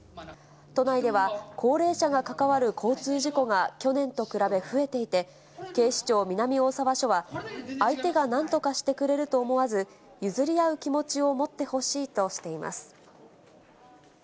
都内では、高齢者が関わる交通事故が去年と比べ増えていて、警視庁南大沢署は、相手がなんとかしてくれると思わず、譲り合う気持ちを持ってほしいとしています。